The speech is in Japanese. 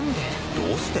どうして？